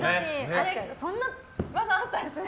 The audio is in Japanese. そんな技あったんですね。